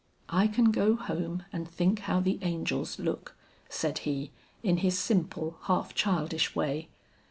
"I can go home and think how the angels look," said he in his simple, half childish way.